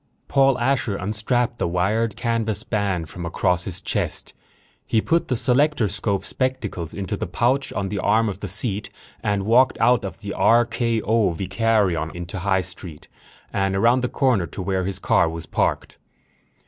Paul Asher unstrapped the wired canvas band from across his chest. He put the selectorscope spectacles into the pouch on the arm of the seat and walked out of the R.K.O. Vicarion into High Street and around the corner to where his car was parked.